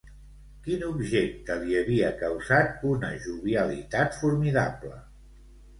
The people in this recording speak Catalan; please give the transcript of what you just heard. Quin objecte li havia causat una jovialitat formidable?